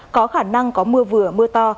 có khả năng có mưa vừa mưa to